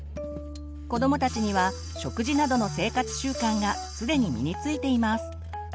子どもたちには食事などの生活習慣がすでに身についています。